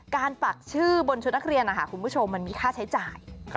ปักชื่อบนชุดนักเรียนคุณผู้ชมมันมีค่าใช้จ่าย